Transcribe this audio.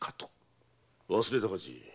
忘れたかじい？